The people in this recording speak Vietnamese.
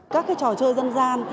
các trò chơi dân dân